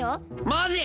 マジ！？